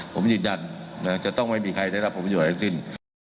ผมยืนยันจะต้องไม่มีใครได้รับผลประโยชน์ทั้งสิ้น